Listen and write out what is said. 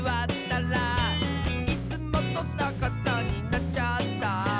「いつもとさかさになっちゃった」